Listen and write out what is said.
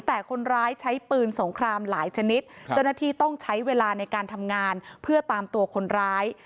แต่คนร้ายใช้ปืนสงครามหลายชนิดเจ้าหน้าที่ต้องใช้เวลาในการทำงานเพื่อตามตัวคนร้าย